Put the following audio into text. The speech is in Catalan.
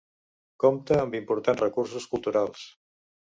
Compta amb importants recursos culturals.